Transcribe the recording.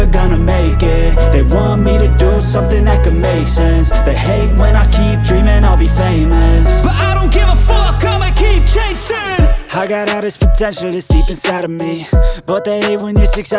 gini aja daripada kamu